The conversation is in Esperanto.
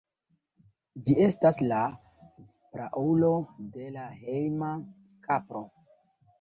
Ĝi estas la praulo de la hejma kapro.